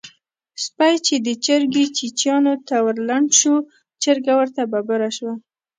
سپی چې د چرګې چیچيانو ته ورلنډ شو؛ چرګه ورته ببره شوه.